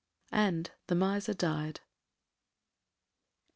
'—And the miser died.